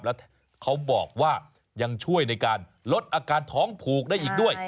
แล้วเขาบอกว่ายังช่วยในการลดอาการท้องผูกได้อีกด้วย